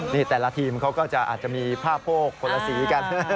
นี่แต่ละทีมเขาก็จะอาจจะมีผ้าโพกคนละสีกัน